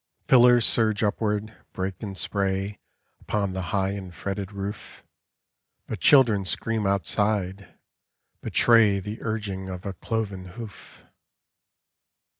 Pillars surge upward, break in spray Upon the high and fretted roof ; But children scream outside — betray The urging of a cloven hoof.